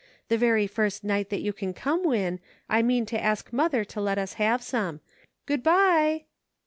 The very first night that you can come. Win, I mean to ask mother to let us have some. Good by !